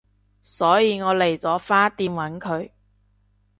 所以我嚟咗花店搵佢